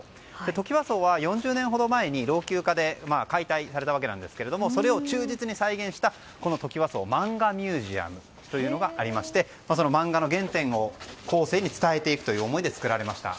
トキワ荘は４０年ほど前に老朽化で解体されたわけですがそれを忠実に再現したトキワ荘マンガミュージアムというのがありましてその漫画の原点を後世に伝えていくという思いで作られました。